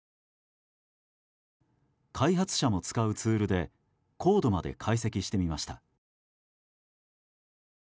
開発者も使うツールでコードまで解析してみました。